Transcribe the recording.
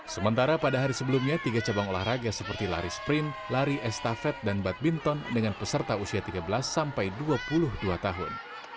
sementara pada hari sebelumnya tiga cabang olahraga seperti lari sprint lari estafet dan badminton dengan peserta usia tiga belas sampai dua puluh dua tahun